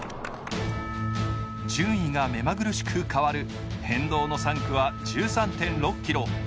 順位がめまぐるしく変わる変動の３区は１３．６ｋｍ。